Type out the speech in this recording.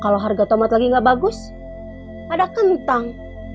kalau harga tomat lagi nggak bagus ada kentang